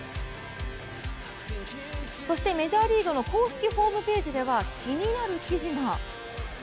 そしてメジャーリーグの公式ホームページでは気になる記事が。